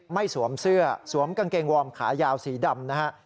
สวมเสื้อสวมกางเกงวอร์มขายาวสีดำนะฮะ